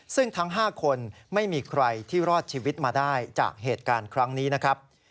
ซึ่งทั้ง๕คนไม่มีใครที่รอดชีวิตมาได้จากเหตุการณ์ครั้งนี้นะครับ